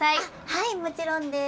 はいもちろんです。